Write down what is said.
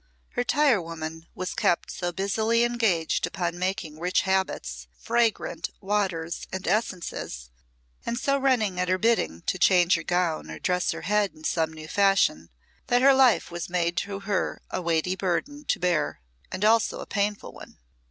Her tirewoman was kept so busily engaged upon making rich habits, fragrant waters and essences, and so running at her bidding to change her gown or dress her head in some new fashion, that her life was made to her a weighty burden to bear, and also a painful one.